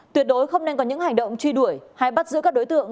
tuyệt đối không nên có những hành động truy đuổi hay bắt giữ các đối tượng